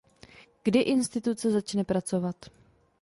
Kdy instituce začne pracovat?